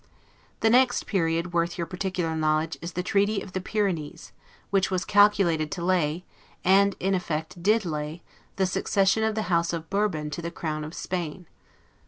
The next period worth your particular knowledge, is the Treaty of the Pyrenees: which was calculated to lay, and in effect did lay, the succession of the House of Bourbon to the crown of Spain.